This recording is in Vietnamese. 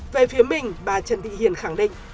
về phía mình bà trần thị hiền khẳng định